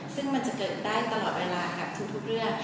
ซึ่งมันจะเกิดได้ตลอดเวลากับทุกเรื่อง